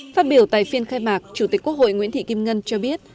phát biểu tại phiên khai mạc chủ tịch quốc hội nguyễn thị kim ngân cho biết